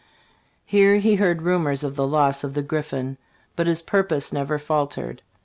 Here he heard rumors of the loss of the Griffin; but his purpose never faltered.